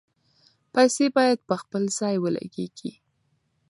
پیسې باید په خپل ځای ولګیږي.